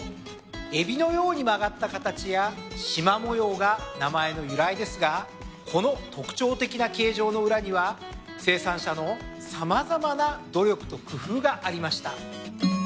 エビのように曲がった形やしま模様が名前の由来ですがこの特徴的な形状の裏には生産者の様々な努力と工夫がありました。